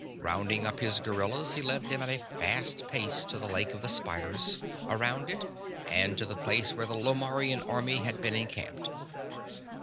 Rounding up his guerillas, he led them at a fast pace to the Lake of the Spiders, around it, and to the place where the Lomarrian army had been encamped.